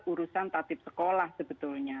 urusan tatib sekolah sebetulnya